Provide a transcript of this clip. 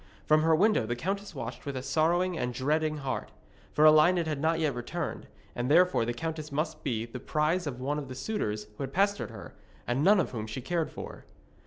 From her window the countess watched with a sorrowing and dreading heart; for Elined had not yet returned, and therefore the countess must be the prize of one of these suitors who had pestered her, and none of whom she cared for.